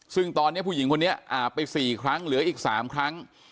ซึ่งตอนนี้ผู้หญิงคนนี้อาบไป๔ครั้งเหลืออีก๓ครั้ง